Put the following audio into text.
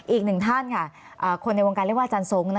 อีกหนึ่งท่านค่ะคนในวงการเรียกว่าอาจารย์ทรง